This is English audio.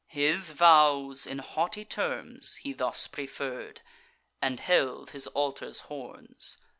His vows, in haughty terms, he thus preferr'd, And held his altar's horns.